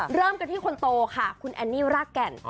เริ่มกันที่คนโตค่ะคุณแอนนี่รากแก่น